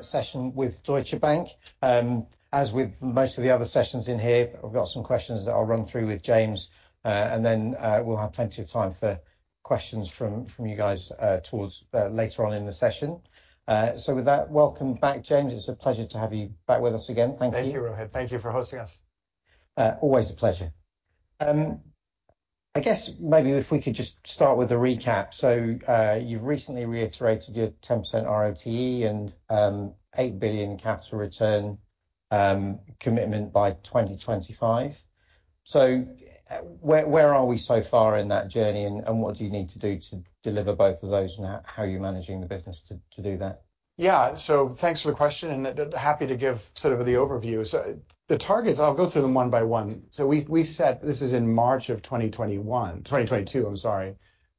Session with Deutsche Bank. As with most of the other sessions in here, we've got some questions that I'll run through with James. And then, we'll have plenty of time for questions from you guys towards later on in the session. So with that, welcome back, James. It's a pleasure to have you back with us again. Thank you. Thank you, Rohit. Thank you for hosting us. Always a pleasure. I guess maybe if we could just start with a recap. So, you've recently reiterated your 10% ROTE and 8 billion capital return commitment by 2025. So, where, where are we so far in that journey, and, and what do you need to do to deliver both of those, and how, how are you managing the business to, to do that? Yeah. So thanks for the question, and happy to give sort of the overview. So the targets, I'll go through them one by one. So we set... This is in March of 2021, 2022, I'm sorry.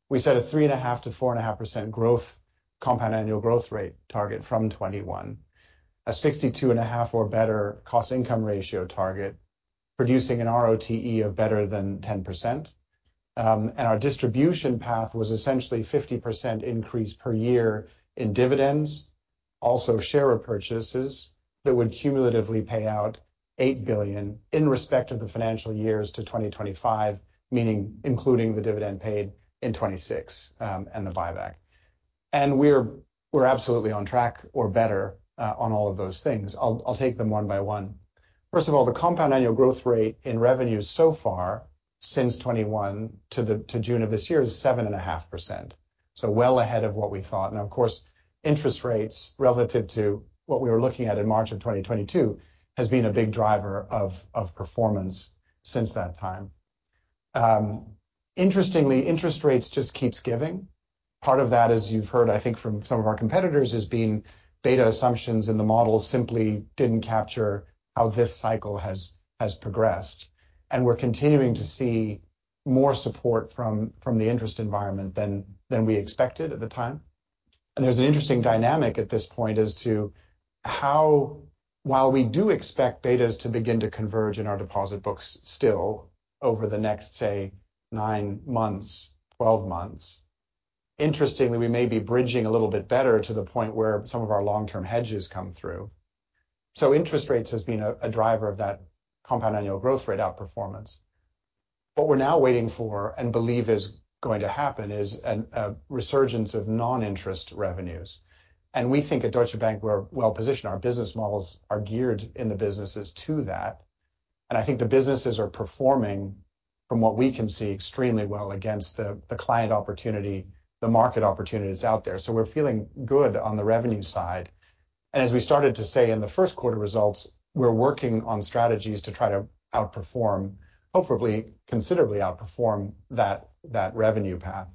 We set a 3.5%-4.5% growth, compound annual growth rate target from 2021, a 62.5 or better cost-income ratio target, producing an ROTE of better than 10%. And our distribution path was essentially 50% increase per year in dividends, also share repurchases that would cumulatively pay out 8 billion in respect of the financial years to 2025, meaning including the dividend paid in 2026, and the buyback. And we're absolutely on track or better on all of those things. I'll take them one by one. First of all, the compound annual growth rate in revenues so far since 2021 to June of this year is 7.5%, so well ahead of what we thought. Now, of course, interest rates, relative to what we were looking at in March 2022, has been a big driver of performance since that time. Interestingly, interest rates just keeps giving. Part of that, as you've heard, I think from some of our competitors, has been beta assumptions in the model simply didn't capture how this cycle has progressed, and we're continuing to see more support from the interest environment than we expected at the time. There's an interesting dynamic at this point as to how while we do expect betas to begin to converge in our deposit books, still, over the next, say, 9 months, 12 months, interestingly, we may be bridging a little bit better to the point where some of our long-term hedges come through. So interest rates has been a driver of that compound annual growth rate outperformance. What we're now waiting for and believe is going to happen is a resurgence of non-interest revenues. And we think at Deutsche Bank, we're well positioned. Our business models are geared in the businesses to that, and I think the businesses are performing, from what we can see, extremely well against the client opportunity, the market opportunities out there. So we're feeling good on the revenue side. And as we started to say in the first quarter results, we're working on strategies to try to outperform, hopefully, considerably outperform that, that revenue path.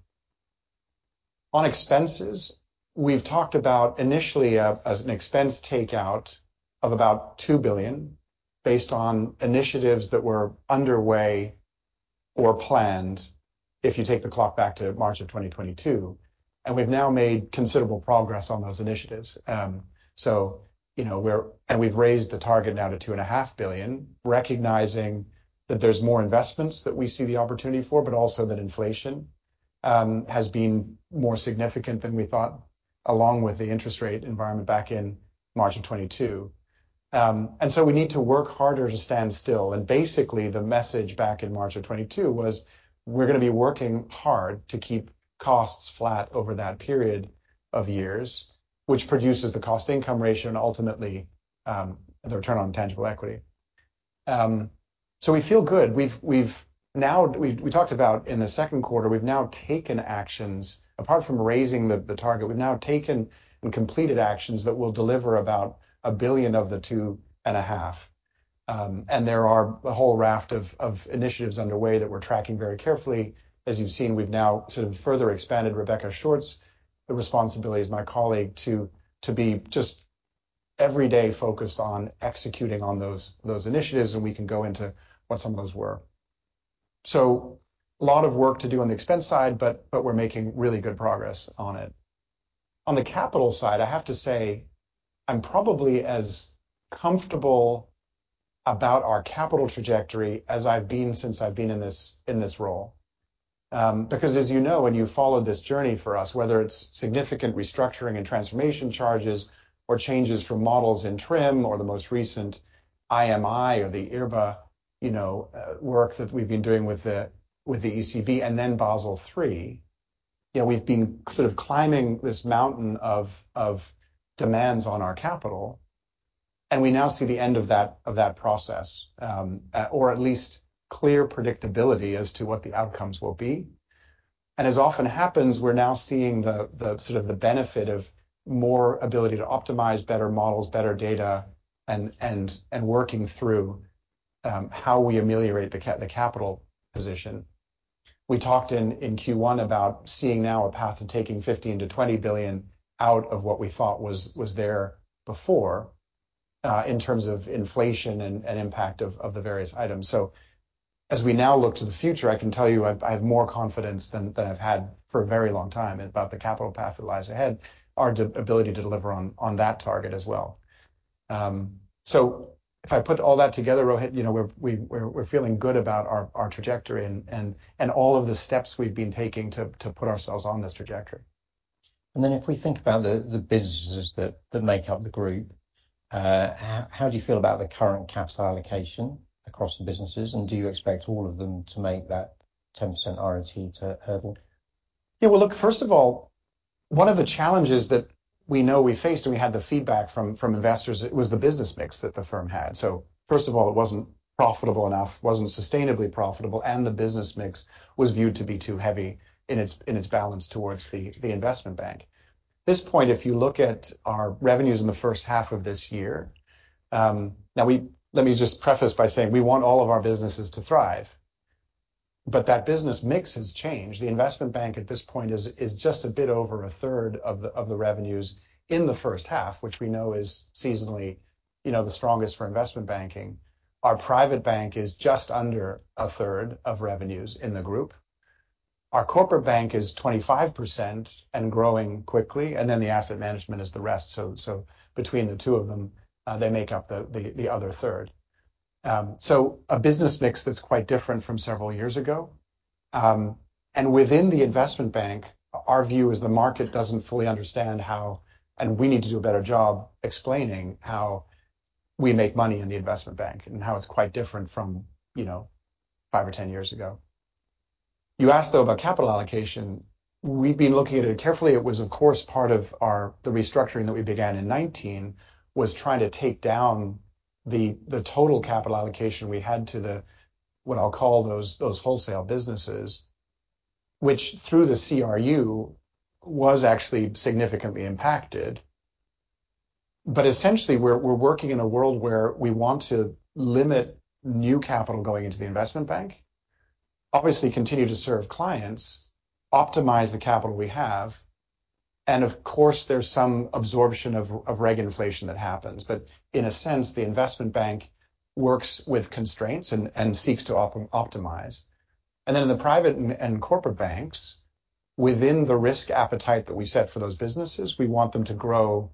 On expenses, we've talked about initially a, as an expense takeout of about 2 billion, based on initiatives that were underway or planned, if you take the clock back to March 2022, and we've now made considerable progress on those initiatives. So you know, we're and we've raised the target now to 2.5 billion, recognizing that there's more investments that we see the opportunity for, but also that inflation has been more significant than we thought, along with the interest rate environment back in March 2022. And so we need to work harder to stand still, and basically, the message back in March 2022 was: we're gonna be working hard to keep costs flat over that period of years, which produces the cost-income ratio and ultimately, the return on tangible equity. So we feel good. We've now taken actions we talked about in the second quarter. Apart from raising the target, we've now taken and completed actions that will deliver about 1 billion of the 2.5 billion. And there are a whole raft of initiatives underway that we're tracking very carefully. As you've seen, we've now sort of further expanded Rebecca Short's responsibilities, my colleague, to be just every day focused on executing on those initiatives, and we can go into what some of those were. So a lot of work to do on the expense side, but we're making really good progress on it. On the capital side, I have to say, I'm probably as comfortable about our capital trajectory as I've been since I've been in this role. Because as you know, and you've followed this journey for us, whether it's significant restructuring and transformation charges or changes from models in TRIM or the most recent IMR or the IRBA, you know, work that we've been doing with the ECB and then Basel III. You know, we've been sort of climbing this mountain of demands on our capital, and we now see the end of that process, or at least clear predictability as to what the outcomes will be. As often happens, we're now seeing the benefit of more ability to optimize better models, better data, and working through how we ameliorate the capital position. We talked in Q1 about seeing now a path to taking 15 billion-20 billion out of what we thought was there before in terms of inflation and impact of the various items. So as we now look to the future, I can tell you I have more confidence than I've had for a very long time about the capital path that lies ahead, our ability to deliver on that target as well. So if I put all that together, Rohit, you know, we're feeling good about our trajectory and all of the steps we've been taking to put ourselves on this trajectory. And then if we think about the businesses that make up the group, how do you feel about the current capital allocation across the businesses? And do you expect all of them to make that 10% ROTE hurdle? Yeah, well, look, first of all, one of the challenges that we know we faced, and we had the feedback from, from investors, was the business mix that the firm had. First of all, it wasn't profitable enough, wasn't sustainably profitable, and the business mix was viewed to be too heavy in its balance towards the investment bank. At this point, if you look at our revenues in the first half of this year, we—let me just preface by saying we want all of our businesses to thrive, but that business mix has changed. The investment bank at this point is just a bit over a third of the revenues in the first half, which we know is seasonally, you know, the strongest for investment banking. Our private bank is just under a third of revenues in the group. Our corporate bank is 25% and growing quickly, and then the asset management is the rest. So between the two of them, they make up the other third. So a business mix that's quite different from several years ago. And within the investment bank, our view is the market doesn't fully understand how, and we need to do a better job explaining how we make money in the investment bank and how it's quite different from, you know, five or 10 years ago. You asked, though, about capital allocation. We've been looking at it carefully. It was, of course, part of our the restructuring that we began in 2019, was trying to take down the total capital allocation we had to the what I'll call those wholesale businesses, which through the CRU was actually significantly impacted. But essentially, we're working in a world where we want to limit new capital going into the investment bank, obviously continue to serve clients, optimize the capital we have, and of course, there's some absorption of reg inflation that happens. But in a sense, the investment bank works with constraints and seeks to optimize. And then in the private and corporate banks, within the risk appetite that we set for those businesses, we want them to grow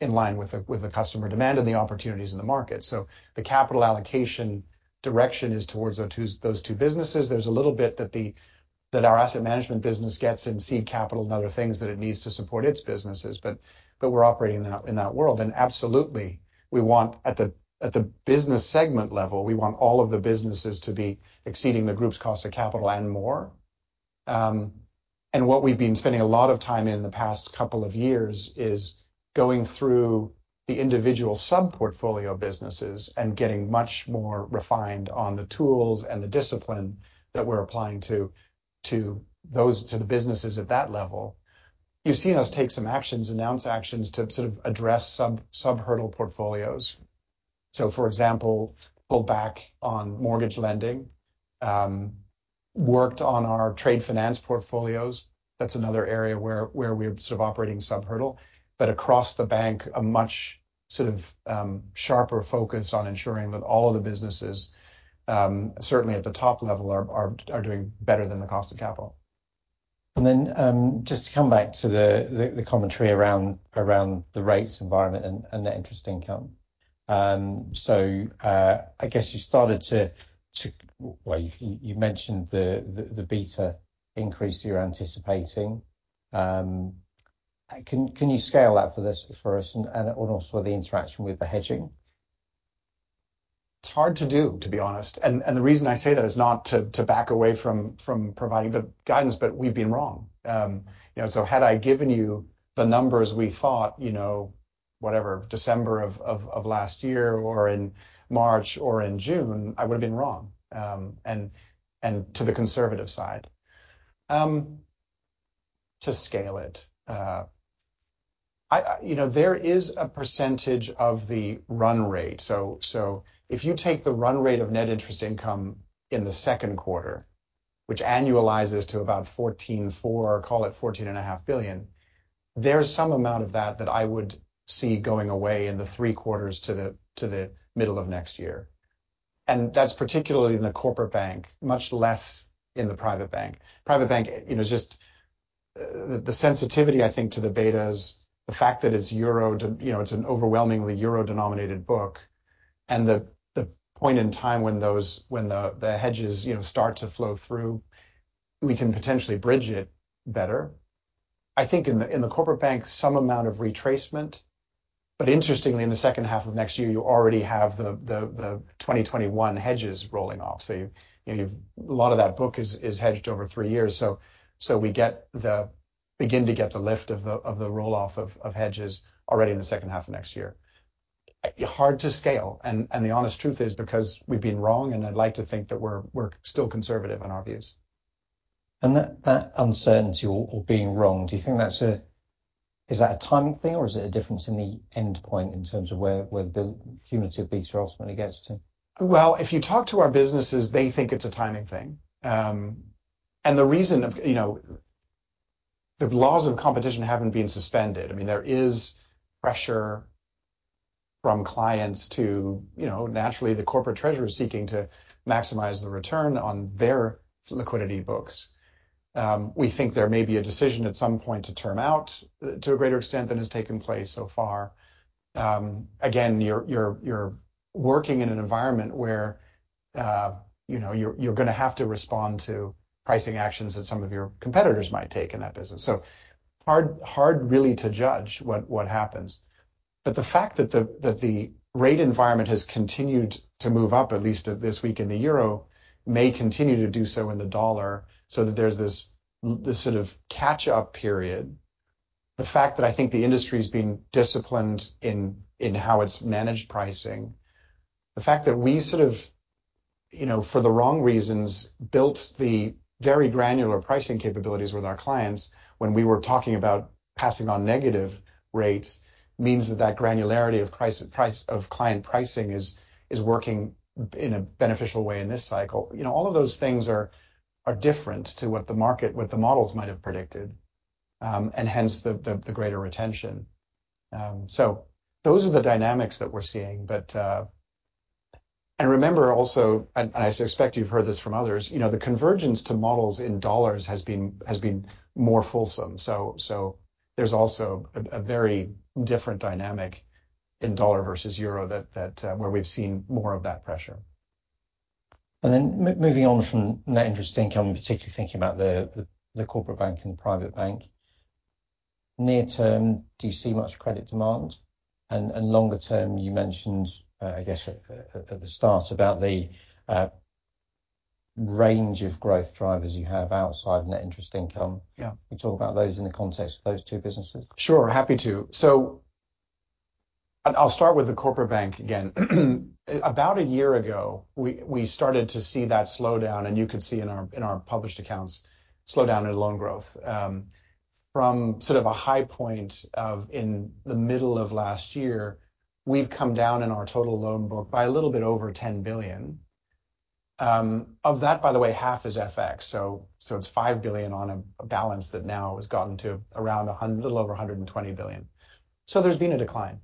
in line with the customer demand and the opportunities in the market. So the capital allocation direction is towards those two businesses. There's a little bit that our asset management business gets in seed capital and other things that it needs to support its businesses, but we're operating in that world. Absolutely, we want at the business segment level, we want all of the businesses to be exceeding the group's cost of capital and more. What we've been spending a lot of time in the past couple of years is going through the individual sub-portfolio businesses and getting much more refined on the tools and the discipline that we're applying to those, to the businesses at that level. You've seen us take some actions, announce actions to sort of address sub, sub-hurdle portfolios. For example, pull back on mortgage lending, worked on our trade finance portfolios. That's another area where we're sort of operating sub-hurdle. Across the bank, a much sort of sharper focus on ensuring that all of the businesses, certainly at the top level, are doing better than the cost of capital. Then, just to come back to the commentary around the rates environment and net interest income. So, I guess you started to. Well, you mentioned the beta increase you're anticipating. Can you scale that for us and also the interaction with the hedging? It's hard to do, to be honest. And the reason I say that is not to back away from providing the guidance, but we've been wrong. You know, so had I given you the numbers we thought, you know, whatever, December of last year or in March or in June, I would have been wrong, and to the conservative side. To scale it, I, you know, there is a percentage of the run rate. So if you take the run rate of net interest income in the second quarter, which annualizes to about 14.4 billion, call it 14.5 billion, there's some amount of that that I would see going away in the three quarters to the middle of next year. And that's particularly in the corporate bank, much less in the private bank. Private bank, you know, just the sensitivity, I think, to the betas, the fact that it's euro-denominated. You know, it's an overwhelmingly euro-denominated book, and the point in time when those, when the hedges, you know, start to flow through, we can potentially bridge it better. I think in the corporate bank, some amount of retracement, but interestingly, in the second half of next year, you already have the 2021 hedges rolling off. So you know, a lot of that book is hedged over three years. So we begin to get the lift of the roll-off of hedges already in the second half of next year. Hard to scale, and the honest truth is because we've been wrong, and I'd like to think that we're still conservative in our views. And that, that uncertainty or, or being wrong, do you think that's a... Is that a timing thing, or is it a difference in the end point in terms of where, where the cumulative beta ultimately gets to? Well, if you talk to our businesses, they think it's a timing thing. And the reason of, you know, the laws of competition haven't been suspended. I mean, there is pressure from clients to, you know, naturally, the corporate treasurer is seeking to maximize the return on their liquidity books.... We think there may be a decision at some point to term out, to a greater extent than has taken place so far. Again, you're working in an environment where, you know, you're gonna have to respond to pricing actions that some of your competitors might take in that business. So hard really to judge what happens. The fact that the rate environment has continued to move up, at least this week in the euro, may continue to do so in the dollar, so that there's this sort of catch-up period. The fact that I think the industry's been disciplined in how it's managed pricing, the fact that we sort of, you know, for the wrong reasons, built the very granular pricing capabilities with our clients when we were talking about passing on negative rates, means that that granularity of client pricing is working in a beneficial way in this cycle. You know, all of those things are different to what the market, what the models might have predicted, and hence, the greater retention. Those are the dynamics that we're seeing. Remember also, I suspect you've heard this from others, you know, the convergence to models in dollars has been more fulsome. So there's also a very different dynamic in dollar versus euro that where we've seen more of that pressure. Moving on from net interest income, particularly thinking about the corporate bank and private bank, near term, do you see much credit demand? And longer term, you mentioned, I guess, at the start, about the range of growth drivers you have outside net interest income. Yeah. Can you talk about those in the context of those two businesses? Sure, happy to. So I'll start with the corporate bank again. About a year ago, we started to see that slowdown, and you could see in our published accounts, slowdown in loan growth. From sort of a high point of in the middle of last year, we've come down in our total loan book by a little bit over 10 billion. Of that, by the way, half is FX, so it's 5 billion on a balance that now has gotten to around a little over 120 billion. So there's been a decline.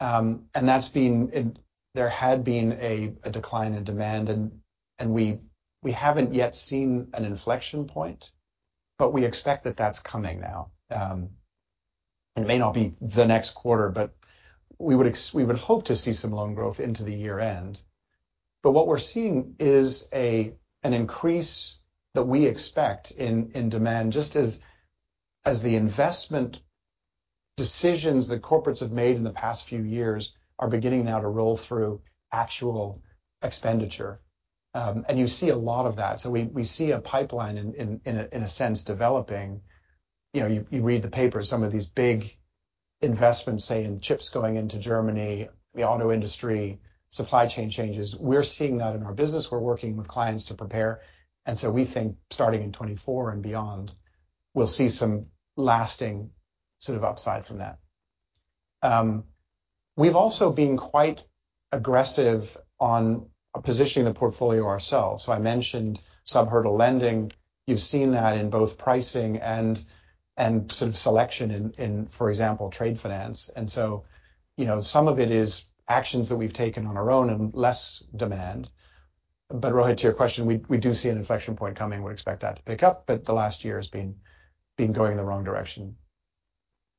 And that's been a decline in demand, and we haven't yet seen an inflection point, but we expect that that's coming now. It may not be the next quarter, but we would hope to see some loan growth into the year end. But what we're seeing is an increase that we expect in demand, just as the investment decisions that corporates have made in the past few years are beginning now to roll through actual expenditure. And you see a lot of that. So we see a pipeline in a sense developing. You know, you read the paper, some of these big investments, say, in chips going into Germany, the auto industry, supply chain changes, we're seeing that in our business. We're working with clients to prepare, and so we think starting in 2024 and beyond, we'll see some lasting sort of upside from that. We've also been quite aggressive on positioning the portfolio ourselves. I mentioned subhurdle lending. You've seen that in both pricing and, and sort of selection in, for example, trade finance. You know, some of it is actions that we've taken on our own and less demand. Rohit, to your question, we do see an inflection point coming. We'd expect that to pick up, but the last year has been going in the wrong direction.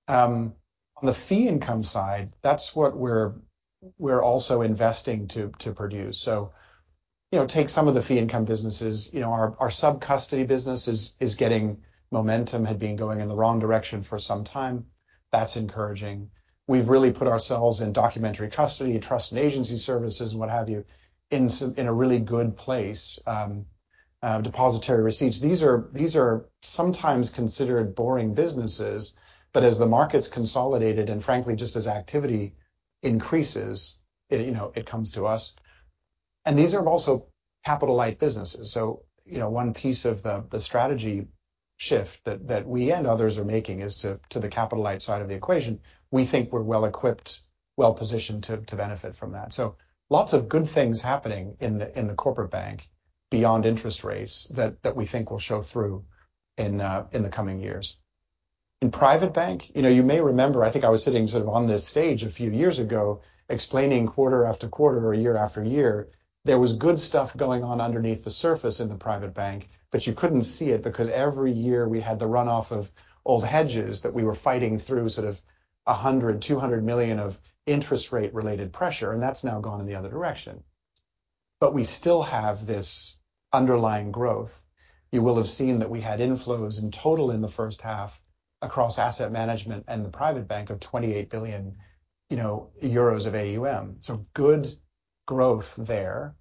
On the fee income side, that's what we're also investing to produce. You know, take some of the fee income businesses. You know, our subcustody business is getting momentum. Had been going in the wrong direction for some time. That's encouraging. We've really put ourselves in documentary custody and trust and agency services, and what have you, in some, in a really good place. Depository receipts. These are sometimes considered boring businesses, but as the market's consolidated, and frankly, just as activity increases, it, you know, it comes to us. And these are also capital-light businesses. So, you know, one piece of the strategy shift that we and others are making is to the capital-light side of the equation. We think we're well-equipped, well-positioned to benefit from that. So lots of good things happening in the corporate bank beyond interest rates that we think will show through in the coming years. In private bank, you know, you may remember, I think I was sitting sort of on this stage a few years ago, explaining quarter after quarter or year after year, there was good stuff going on underneath the surface in the private bank, but you couldn't see it, because every year we had the runoff of old hedges that we were fighting through sort of 100 million-200 million of interest rate-related pressure, and that's now gone in the other direction. But we still have this underlying growth. You will have seen that we had inflows in total in the first half across asset management and the private bank of 28 billion, you know, euros of AUM. So good growth there.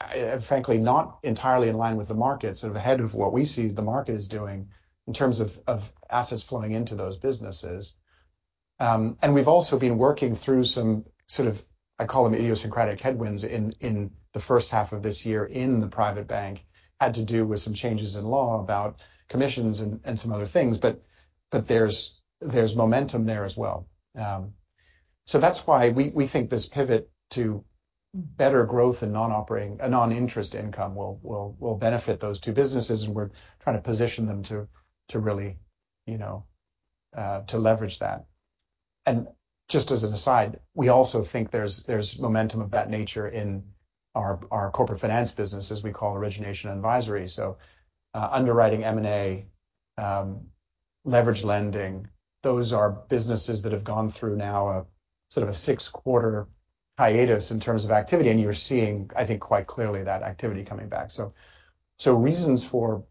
And frankly, not entirely in line with the market, sort of ahead of what we see the market is doing in terms of of assets flowing into those businesses. And we've also been working through some sort of, I call them, idiosyncratic headwinds in the first half of this year in the private bank. Had to do with some changes in law about commissions and some other things, but there's momentum there as well. So that's why we think this pivot to better growth in non-operating... non-interest income will benefit those two businesses, and we're trying to position them to really, you know, to leverage that. And just as an aside, we also think there's momentum of that nature in our corporate finance business, as we call origination advisory. Underwriting M&A, leveraged lending, those are businesses that have gone through now a sort of a six-quarter hiatus in terms of activity, and you're seeing, I think, quite clearly that activity coming back. Reasons for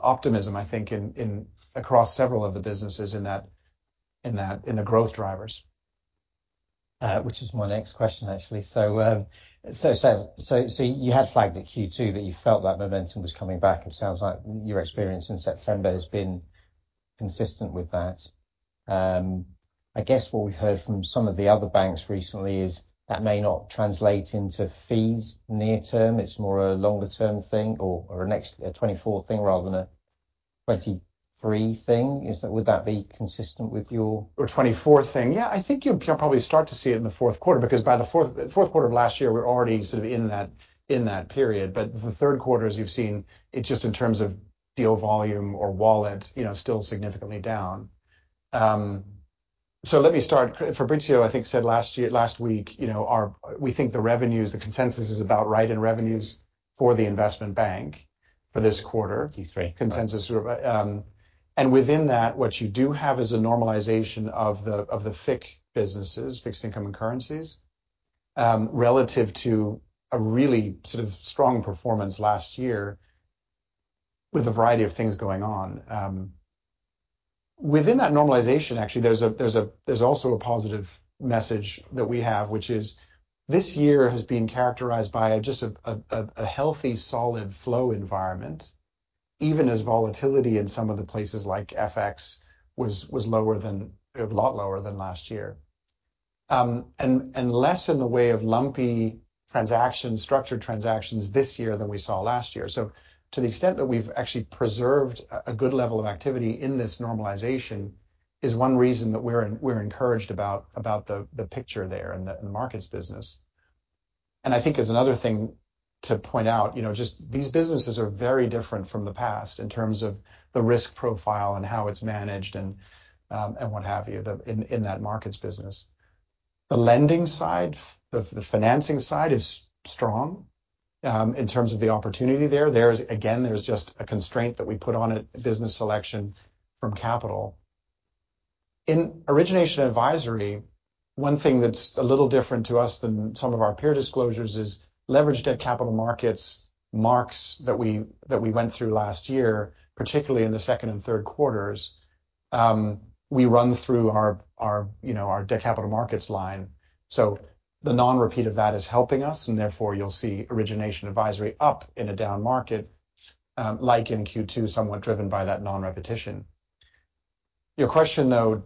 optimism, I think, across several of the businesses in that, the growth drivers. Which is my next question, actually. So, you had flagged at Q2 that you felt that momentum was coming back. It sounds like your experience since September has been consistent with that. I guess what we've heard from some of the other banks recently is that may not translate into fees near term. It's more a longer term thing or a next- a '2024 thing rather than a '2023 thing. Is that- would that be consistent with your- Or 2024 thing? Yeah, I think you'll probably start to see it in the fourth quarter, because by the fourth quarter of last year, we're already sort of in that, in that period. But the third quarter, as you've seen, it just in terms of deal volume or wallet, you know, still significantly down. So let me start. Fabrizio, I think said last week, you know, we think the revenues, the consensus is about right in revenues for the investment bank for this quarter. Q3. Consensus. And within that, what you do have is a normalization of the, of the FIC businesses, fixed income and currencies, relative to a really sort of strong performance last year with a variety of things going on. Within that normalization, actually, there's also a positive message that we have, which is this year has been characterized by just a healthy, solid flow environment, even as volatility in some of the places like FX was lower than, a lot lower than last year. And less in the way of lumpy transactions, structured transactions this year than we saw last year. So to the extent that we've actually preserved a good level of activity in this normalization is one reason that we're encouraged about the picture there in the markets business. I think as another thing to point out, you know, just these businesses are very different from the past in terms of the risk profile and how it's managed and what have you, in that markets business. The lending side, the financing side is strong in terms of the opportunity there. There's just a constraint that we put on it, business selection from capital. In origination advisory, one thing that's a little different to us than some of our peer disclosures is leveraged debt capital markets marks that we went through last year, particularly in the second and third quarters. We run through our, you know, our debt capital markets line. So the non-repeat of that is helping us, and therefore, you'll see origination advisory up in a down market, like in Q2, somewhat driven by that non-repetition. Your question, though,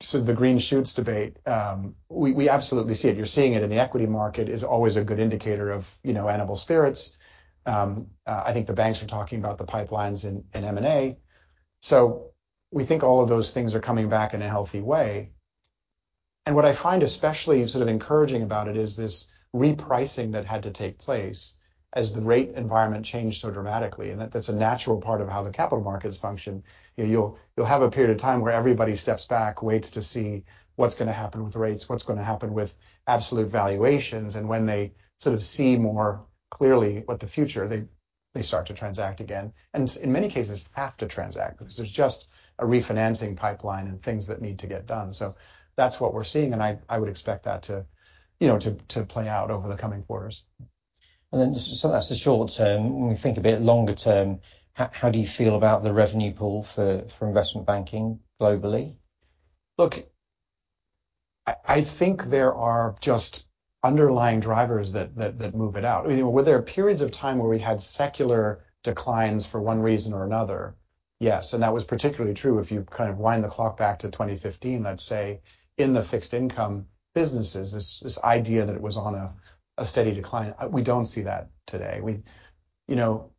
so the green shoots debate, we absolutely see it. You're seeing it in the equity market is always a good indicator of, you know, animal spirits. I think the banks are talking about the pipelines in M&A. So we think all of those things are coming back in a healthy way. And what I find especially sort of encouraging about it is this repricing that had to take place as the rate environment changed so dramatically, and that's a natural part of how the capital markets function. You'll have a period of time where everybody steps back, waits to see what's gonna happen with rates, what's gonna happen with absolute valuations, and when they sort of see more clearly what the future, they start to transact again, and in many cases, have to transact because there's just a refinancing pipeline and things that need to get done. So that's what we're seeing, and I would expect that to, you know, to play out over the coming quarters. So that's the short term. When we think a bit longer term, how do you feel about the revenue pool for investment banking globally? Look, I think there are just underlying drivers that move it out. Were there periods of time where we had secular declines for one reason or another? Yes, and that was particularly true if you kind of wind the clock back to 2015, let's say, in the fixed income businesses, this idea that it was on a steady decline. We don't see that today. You know,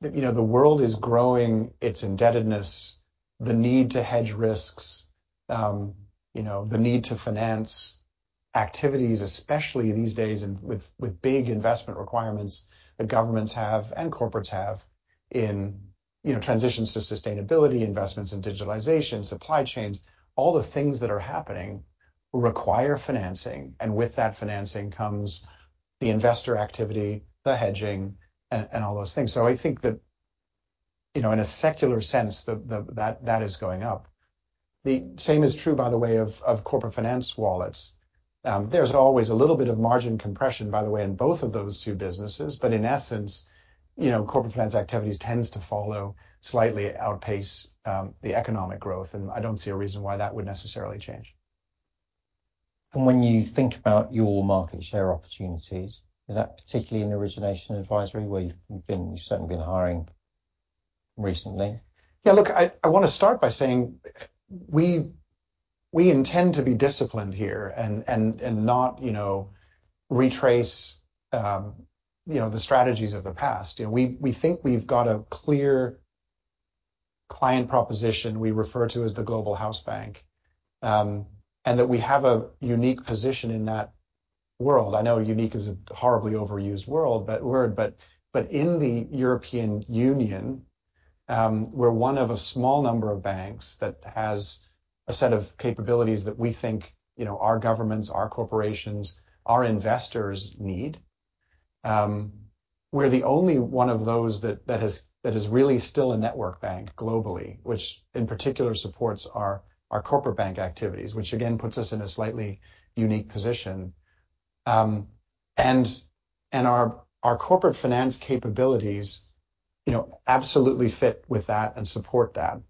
the world is growing its indebtedness, the need to hedge risks, you know, the need to finance activities, especially these days, and with big investment requirements that governments have and corporates have in, you know, transitions to sustainability, investments in digitalization, supply chains. All the things that are happening require financing, and with that financing comes the investor activity, the hedging, and all those things. So I think that, you know, in a secular sense, that is going up. The same is true, by the way, of corporate finance wallets. There's always a little bit of margin compression, by the way, in both of those two businesses, but in essence, you know, corporate finance activities tends to follow, slightly outpace, the economic growth, and I don't see a reason why that would necessarily change. When you think about your market share opportunities, is that particularly in origination advisory, where you've been, you've certainly been hiring recently? Yeah, look, I wanna start by saying we intend to be disciplined here and not, you know, retrace, you know, the strategies of the past. You know, we think we've got a clear client proposition we refer to as the Global Hausbank, and that we have a unique position in that world. I know unique is a horribly overused word, but in the European Union, we're one of a small number of banks that has a set of capabilities that we think, you know, our governments, our corporations, our investors need. We're the only one of those that has really still a network bank globally, which in particular supports our corporate bank activities, which again, puts us in a slightly unique position. Our corporate finance capabilities, you know, absolutely fit with that and support that.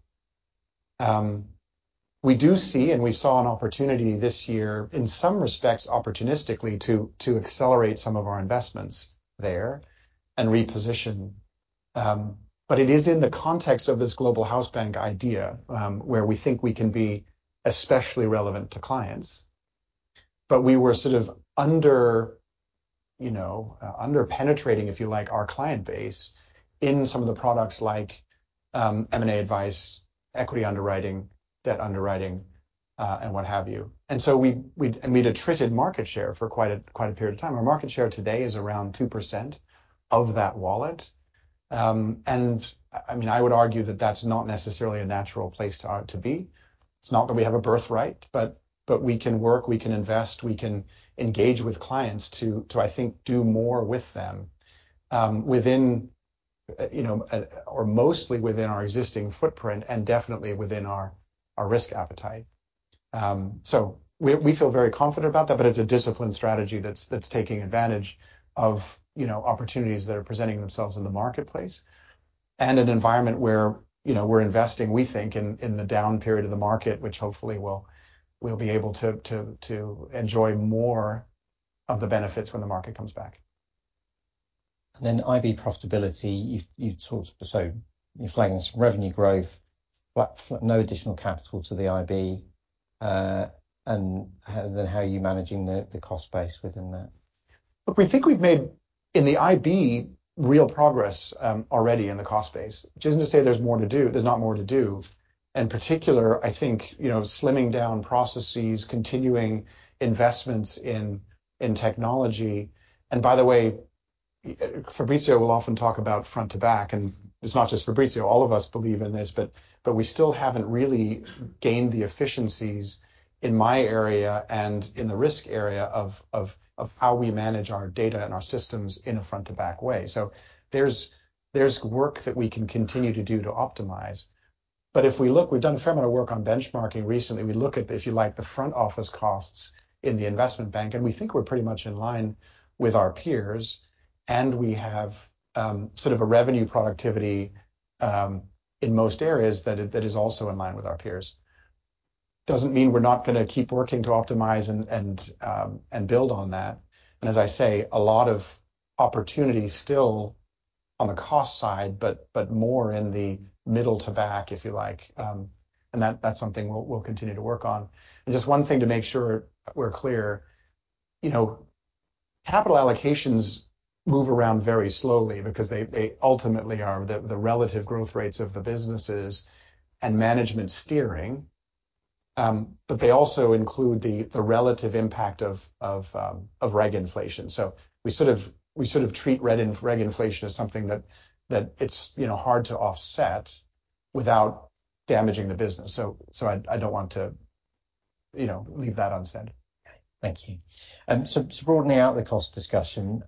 We do see, and we saw an opportunity this year, in some respects, opportunistically, to accelerate some of our investments there and reposition. It is in the context of this Global Hausbank idea, where we think we can be especially relevant to clients. We were sort of under, you know, under penetrating, if you like, our client base in some of the products like M&A advice, equity underwriting, debt underwriting, and what have you. We had attrited market share for quite a, quite a period of time. Our market share today is around 2% of that wallet. I mean, I would argue that that's not necessarily a natural place to be. It's not that we have a birthright, but we can work, we can invest, we can engage with clients to, I think, do more with them, within, you know, or mostly within our existing footprint and definitely within our risk appetite. So we feel very confident about that, but it's a disciplined strategy that's taking advantage of, you know, opportunities that are presenting themselves in the marketplace, and an environment where, you know, we're investing, we think, in the down period of the market, which hopefully we'll be able to enjoy more of the benefits when the market comes back. Then IB profitability, you've talked... So you're flagging some revenue growth, but no additional capital to the IB. And then how are you managing the cost base within that? Look, we think we've made, in the IB, real progress, already in the cost base, which isn't to say there's more to do. There's not more to do. In particular, I think, you know, slimming down processes, continuing investments in, in technology. By the way, Fabrizio will often talk about front to back, and it's not just Fabrizio, all of us believe in this, but we still haven't really gained the efficiencies in my area and in the risk area of how we manage our data and our systems in a front to back way. There's work that we can continue to do to optimize. If we look, we've done a fair amount of work on benchmarking recently. We look at, if you like, the front office costs in the investment bank, and we think we're pretty much in line with our peers, and we have, sort of a revenue productivity, in most areas that is, that is also in line with our peers. Doesn't mean we're not gonna keep working to optimize and, and build on that. And as I say, a lot of opportunities still on the cost side, but, but more in the middle to back, if you like. And that, that's something we'll, we'll continue to work on. And just one thing to make sure we're clear, you know, capital allocations move around very slowly because they, they ultimately are the, the relative growth rates of the businesses and management steering. But they also include the, the relative impact of, of reg inflation. So we sort of treat regulatory inflation as something that it's, you know, hard to offset without damaging the business. So I don't want to, you know, leave that unsaid. Thank you. So, broadening out the cost discussion,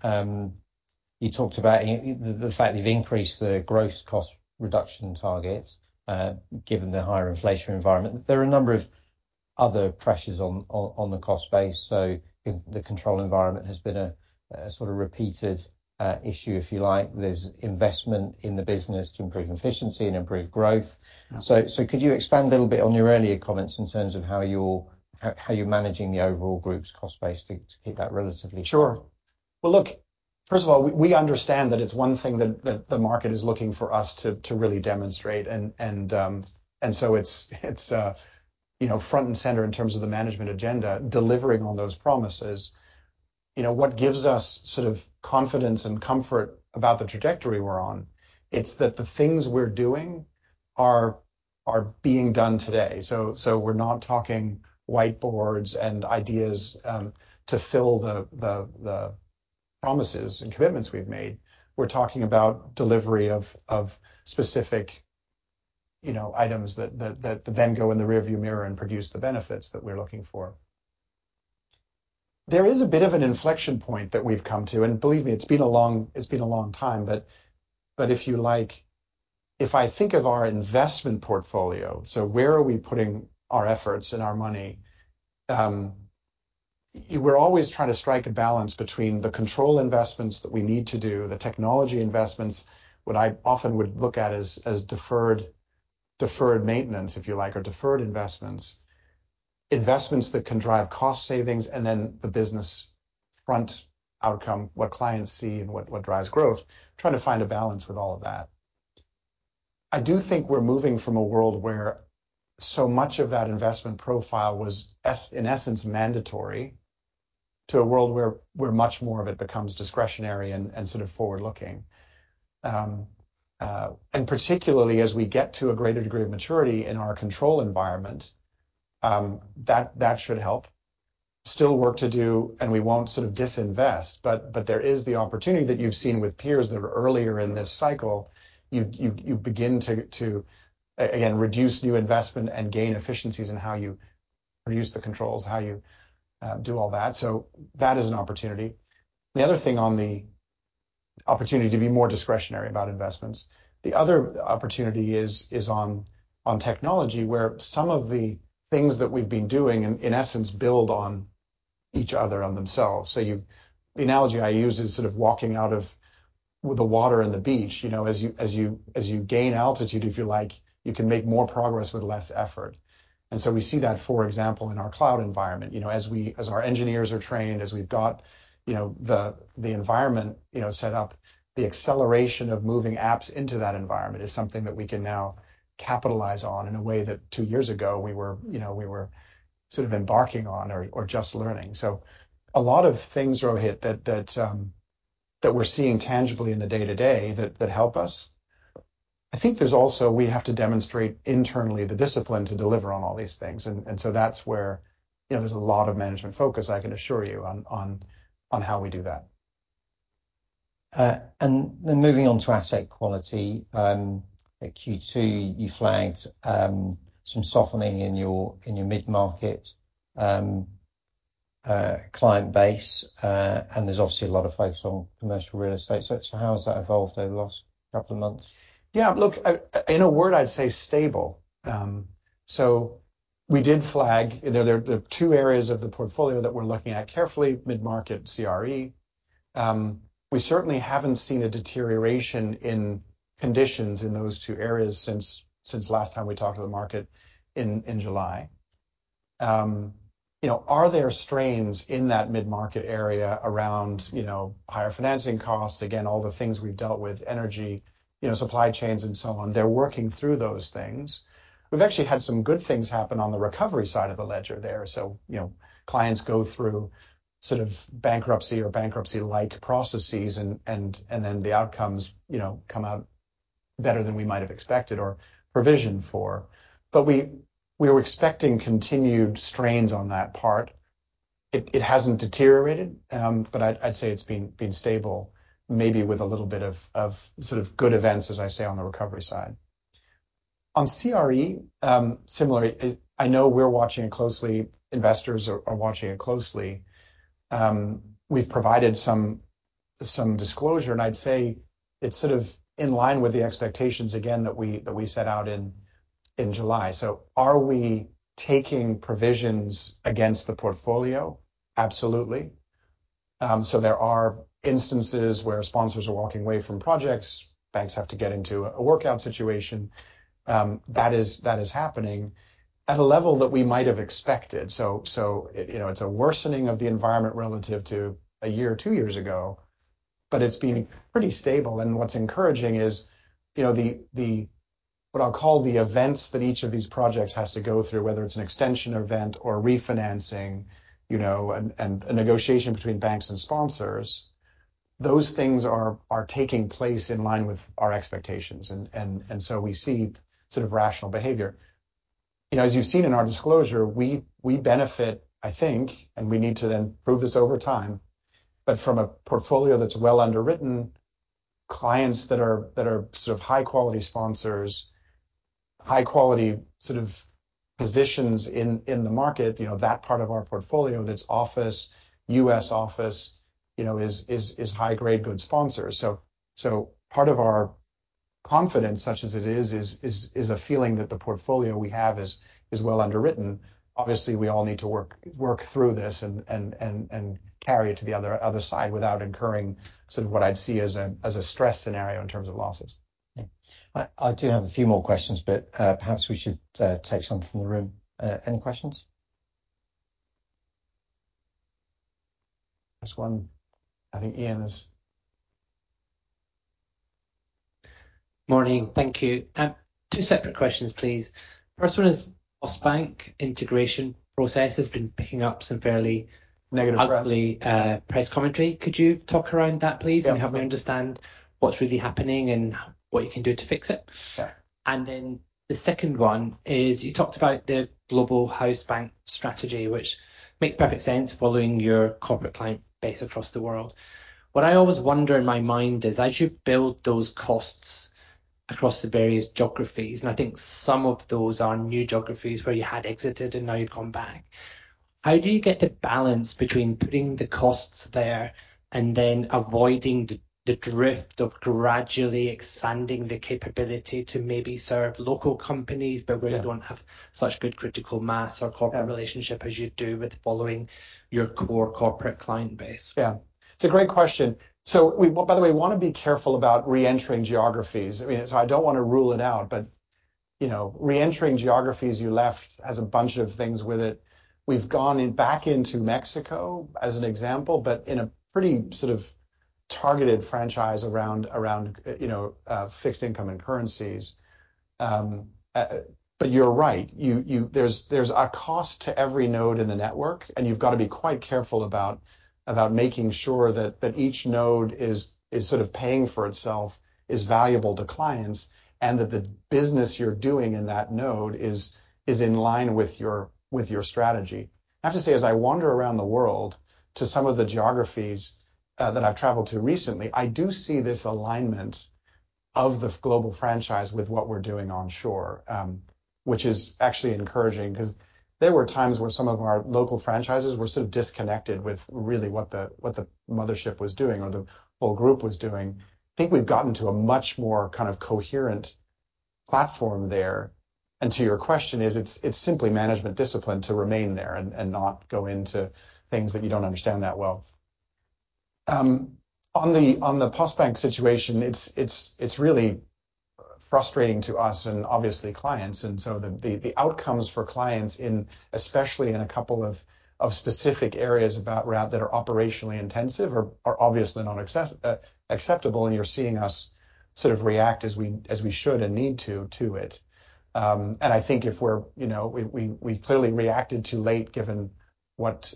you talked about the fact that you've increased the gross cost reduction target, given the higher inflation environment. There are a number of other pressures on the cost base, so if the control environment has been a sort of repeated issue, if you like, there's investment in the business to improve efficiency and improve growth. Yeah. Could you expand a little bit on your earlier comments in terms of how you're managing the overall group's cost base to keep that relatively? Sure. Well, look, first of all, we understand that it's one thing that the market is looking for us to really demonstrate, and so it's you know, front and center in terms of the management agenda, delivering on those promises. You know, what gives us sort of confidence and comfort about the trajectory we're on, it's that the things we're doing are being done today. So we're not talking whiteboards and ideas to fill the promises and commitments we've made. We're talking about delivery of specific, you know, items that then go in the rear view mirror and produce the benefits that we're looking for. There is a bit of an inflection point that we've come to, and believe me, it's been a long time, but if you like, if I think of our investment portfolio, so where are we putting our efforts and our money, we're always trying to strike a balance between the control investments that we need to do, the technology investments, what I often would look at as deferred, deferred maintenance, if you like, or deferred investments. Investments that can drive cost savings, and then the business front outcome, what clients see and what drives growth, trying to find a balance with all of that. I do think we're moving from a world where so much of that investment profile was, in essence, mandatory, to a world where much more of it becomes discretionary and sort of forward-looking. And particularly as we get to a greater degree of maturity in our control environment, that, that should help. Still work to do, and we won't sort of disinvest, but there is the opportunity that you've seen with peers that are earlier in this cycle, you begin to again reduce new investment and gain efficiencies in how you use the controls, how you do all that. So that is an opportunity. The other thing on the opportunity to be more discretionary about investments, the other opportunity is on technology, where some of the things that we've been doing, in essence, build on each other on themselves. So, the analogy I use is sort of walking out of the water and the beach. You know, as you, as you, as you gain altitude, if you like, you can make more progress with less effort. You know, we see that, for example, in our cloud environment. You know, as our engineers are trained, as we've got, you know, the environment, you know, set up, the acceleration of moving apps into that environment is something that we can now capitalize on in a way that two years ago we were, you know, we were sort of embarking on or just learning. A lot of things, Rohit, that, that we're seeing tangibly in the day-to-day that help us. I think there's also we have to demonstrate internally the discipline to deliver on all these things, and so that's where, you know, there's a lot of management focus, I can assure you, on how we do that. Moving on to asset quality, at Q2, you flagged some softening in your mid-market client base, and there's obviously a lot of focus on commercial real estate. So how has that evolved over the last couple of months? Yeah, look, in a word, I'd say stable. We did flag... There are two areas of the portfolio that we're looking at carefully, mid-market CRE. We certainly haven't seen a deterioration in conditions in those two areas since last time we talked to the market in July. You know, are there strains in that mid-market area around, you know, higher financing costs? Again, all the things we've dealt with, energy, you know, supply chains and so on, they're working through those things. We've actually had some good things happen on the recovery side of the ledger there. You know, clients go through sort of bankruptcy or bankruptcy-like processes and then the outcomes, you know, come out better than we might have expected or provisioned for. We are expecting continued strains on that part. It hasn't deteriorated, but I'd say it's been stable, maybe with a little bit of sort of good events, as I say, on the recovery side. On CRE, similarly, I know we're watching it closely. Investors are watching it closely. We've provided some disclosure, and I'd say it's sort of in line with the expectations, again, that we set out in July. So are we taking provisions against the portfolio? Absolutely. So there are instances where sponsors are walking away from projects. Banks have to get into a workout situation. That is happening at a level that we might have expected. So, you know, it's a worsening of the environment relative to a year or two years ago, but it's been pretty stable. And what's encouraging is, you know, the... What I'll call the events that each of these projects has to go through, whether it's an extension event or refinancing, you know, and a negotiation between banks and sponsors, those things are taking place in line with our expectations. And so we see sort of rational behavior. You know, as you've seen in our disclosure, we benefit, I think, and we need to then prove this over time, but from a portfolio that's well underwritten, clients that are sort of high-quality sponsors, high-quality sort of positions in the market, you know, that part of our portfolio, that's office, U.S. office, you know, is high grade, good sponsors. So part of our confidence, such as it is, is a feeling that the portfolio we have is well underwritten. Obviously, we all need to work through this and carry it to the other side without incurring sort of what I'd see as a stress scenario in terms of losses. Yeah. I, I do have a few more questions, but, perhaps we should take some from the room. Any questions? There's one. I think Ian is... Morning. Thank you. Two separate questions, please. First one is Postbank integration process has been picking up some fairly- Negative press... ugly press commentary. Could you talk around that, please- Yeah... and help me understand what's really happening and what you can do to fix it? Sure. And then the second one is, you talked about the Global Hausbank strategy, which makes perfect sense following your corporate client base across the world. What I always wonder in my mind is, as you build those costs across the various geographies, and I think some of those are new geographies where you had exited and now you've come back, how do you get the balance between putting the costs there and then avoiding the, the drift of gradually expanding the capability to maybe serve local companies- Yeah... but where you don't have such good critical mass or- Yeah... corporate relationship as you do with following your core corporate client base? Yeah. It's a great question. So we, by the way, want to be careful about re-entering geographies. I mean, so I don't want to rule it out, but, you know, re-entering geographies you left has a bunch of things with it. We've gone in, back into Mexico, as an example, but in a pretty sort of targeted franchise around fixed income and currencies. But you're right. There's a cost to every node in the network, and you've got to be quite careful about making sure that each node is sort of paying for itself, is valuable to clients, and that the business you're doing in that node is in line with your strategy. I have to say, as I wander around the world to some of the geographies that I've traveled to recently, I do see this alignment of the global franchise with what we're doing onshore, which is actually encouraging because there were times where some of our local franchises were so disconnected with really what the, what the mothership was doing or the whole group was doing. I think we've gotten to a much more kind of coherent platform there. And to your question is, it's, it's simply management discipline to remain there and, and not go into things that you don't understand that well. On the, on the Postbank situation, it's, it's, it's really frustrating to us and obviously clients, and so the, the, the outcomes for clients in—especially in a couple of, of specific areas about... that are operationally intensive are, are obviously not acceptable, and you're seeing us sort of react as we, as we should and need to, to it. I think if we're... You know, we, we, we clearly reacted too late, given what,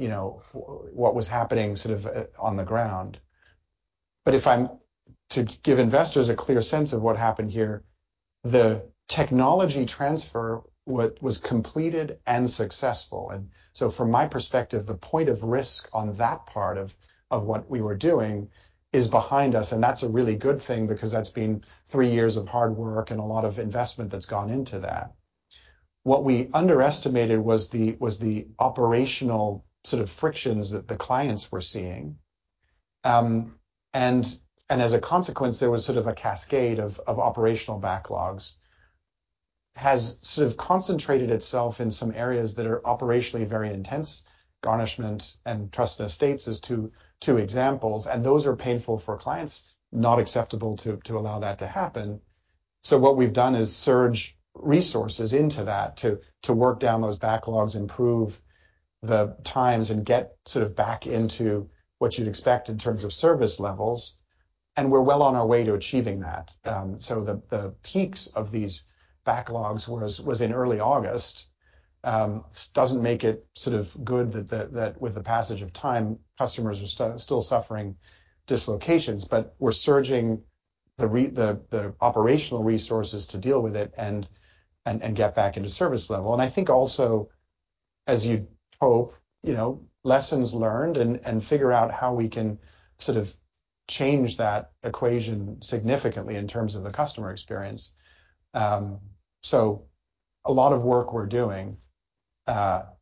you know, what was happening sort of on the ground. If I'm to give investors a clear sense of what happened here, the technology transfer was completed and successful, and so from my perspective, the point of risk on that part of what we were doing is behind us, and that's a really good thing because that's been 3 years of hard work and a lot of investment that's gone into that. What we underestimated was the operational sort of frictions that the clients were seeing. As a consequence, there was sort of a cascade of operational backlogs. Has sort of concentrated itself in some areas that are operationally very intense, garnishment and trust estates as two examples, and those are painful for clients, not acceptable to allow that to happen. What we've done is surge resources into that, to work down those backlogs, improve the times, and get sort of back into what you'd expect in terms of service levels, and we're well on our way to achieving that. The peaks of these backlogs was in early August. Doesn't make it sort of good that with the passage of time, customers are still suffering dislocations, but we're surging the operational resources to deal with it and get back into service level. And I think also, as you'd hope, you know, lessons learned and figure out how we can sort of change that equation significantly in terms of the customer experience. So a lot of work we're doing to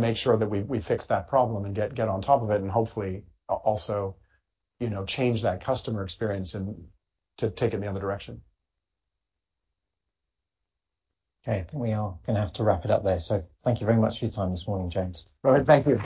make sure that we fix that problem and get on top of it, and hopefully also, you know, change that customer experience and to take it in the other direction. Okay. I think we are going to have to wrap it up there. So thank you very much for your time this morning, James. All right, thank you.